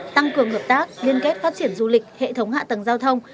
tăng cường hợp tác liên kết phát triển du lịch hệ thống hạ tầng giao thông